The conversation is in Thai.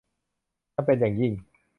จำเป็นอย่างยิ่ง